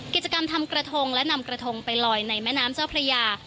กิจกรรมทำกระทงและนำกระทงไปลอยในแม่น้ำเจ้าพระยา